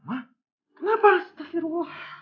ma kenapa setahirullah